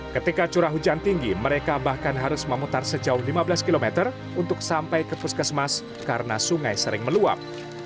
ketika curah hujan tinggi mereka bahkan harus memutar sejauh lima belas km untuk sampai ke puskesmas karena sungai sering meluap